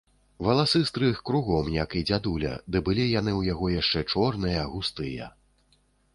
Валасы стрыг кругом, як і дзядуля, ды былі яны ў яго яшчэ чорныя, густыя.